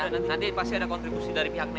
nanti pasti ada kontribusi dari pihak nenek